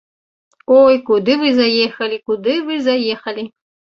Ой, куды вы заехалі, куды вы заехалі?